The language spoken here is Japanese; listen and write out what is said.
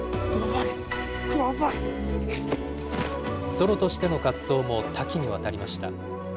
ソロとしての活動も多岐にわたりました。